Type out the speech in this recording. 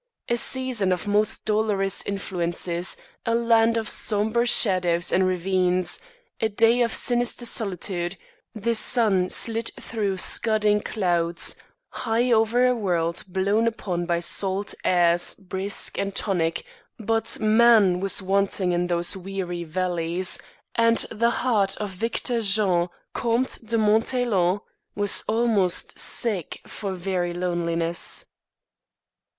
A season of most dolorous influences, a land of sombre shadows and ravines, a day of sinister solitude; the sun slid through scudding clouds, high over a world blown upon by salt airs brisk and tonic, but man was wanting in those weary valleys, and the heart of Victor Jean, Comte de Montaiglon, was almost sick for very loneliness.